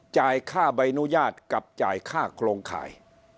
จ่ายค่าใบอนุญาตกับจ่ายค่าโครงข่าย